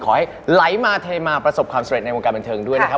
ไหลมาเทมาประสบความสำเร็จในวงการบันเทิงด้วยนะครับ